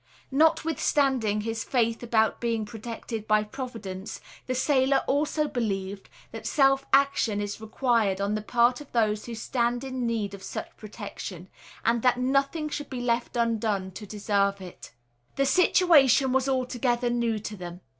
Notwithstanding his faith about being protected by Providence, the sailor also believed, that self action is required on the part of those who stand in need of such protection; and that nothing should be left undone to deserve it. The situation was altogether new to them.